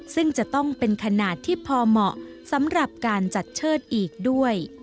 ซึ่งจะต้องเป็นขนาดที่พอเหมาะสำหรับการจัดเชิดอีกด้วย